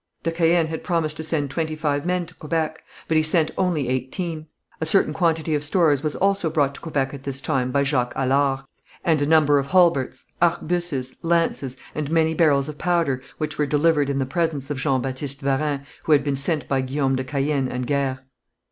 De Caën had promised to send twenty five men to Quebec, but he sent only eighteen. A certain quantity of stores was also brought to Quebec at this time by Jacques Halard, and a number of halberds, arquebuses, lances, and many barrels of powder, which were delivered in the presence of Jean Baptiste Varin, who had been sent by Guillaume de Caën, and Guers.